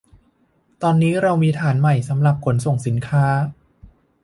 ตอนนี้เรามีฐานใหม่สำหรับขนส่งสินค้า